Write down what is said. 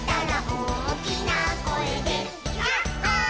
「おおきなこえでヤッホー」